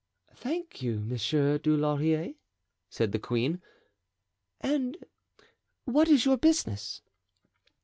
"Thank you, Monsieur Dulaurier," said the queen; "and what is your business?"